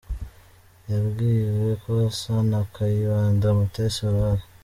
Yabwiwe ko asa na Kayibanda Mutesi Aurore.